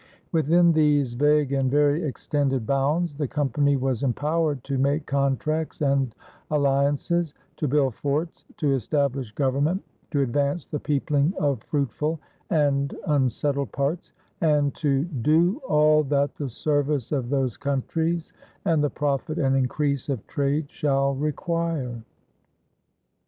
Within these vague and very extended bounds the Company was empowered to make contracts and alliances, to build forts, to establish government, to advance the peopling of fruitful and unsettled parts, and to "do all that the service of those countries and the profit and increase of trade shall require."